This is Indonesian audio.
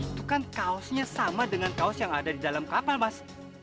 itu kan kaosnya sama dengan kaos yang ada di dalam kapal mas